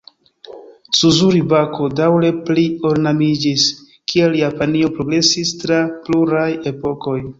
Suzuri-bako daŭre pli-ornamiĝis, kiel Japanio progresis tra pluraj epokoj.